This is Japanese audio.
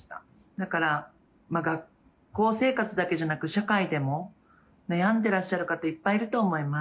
だから、学校生活だけじゃなく、社会でも悩んでらっしゃる方、いっぱいいると思います。